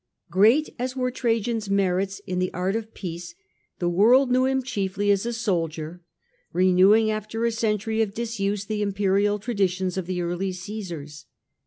Great as were Trajan's merits in the arts of peace, the The world world knew him chiefly as a soldier, re moni newing after a century of disuse the imperial miiitSy "* traditions of the early Caesars.